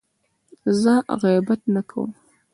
زه غیبت نه کوم.